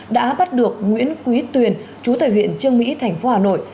đã bắt được nguyễn quý tuyền chú tài huyện trương mỹ thành phố hà nội